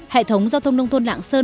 hệ thống giao thông nông thôn lạng sơn